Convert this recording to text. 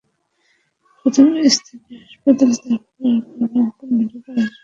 প্রথমে স্থানীয় হাসপাতাল, তারপর রংপুর মেডিকেল কলেজ হাসপাতাল হয়ে শিশুটি এখন ওসিসিতে।